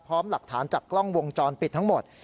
พร้อมหลักฐานจากกล้องวงจรปิดทั้งหมด